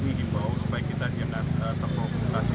dan kami menginginkan bahwa supaya kita tidak terprovokasi